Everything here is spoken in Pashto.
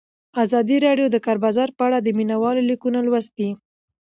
ازادي راډیو د د کار بازار په اړه د مینه والو لیکونه لوستي.